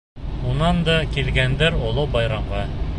Унан да килгәндәр оло байрамға.